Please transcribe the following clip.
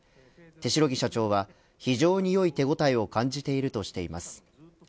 手代木社長は非常によい手応えを感じているとしています。